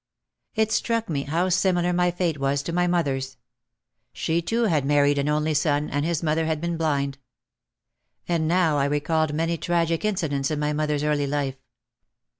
It struck me how similar my fate was to my mother's. She too had married an only son, and his mother had been blind. And now I recalled many tragic incidents in my mother's early life.